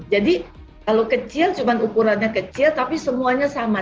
jadi kalau kecil cuma ukurannya kecil tapi semuanya sama